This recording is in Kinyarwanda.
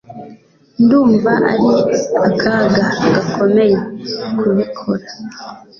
Ndumva ari akaga gakomeye kubikora